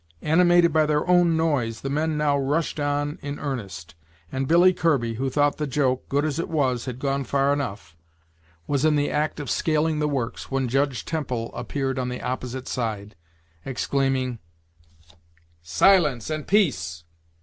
Animated by their own noise, the men now rushed on in earnest; and Billy Kirby, who thought the joke, good as it was, had gone far enough, was in the act of scaling the works, when Judge Temple appeared on the opposite side, exclaiming: "Silence and peace!